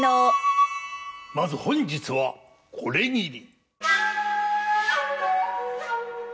まず本日はこれぎり。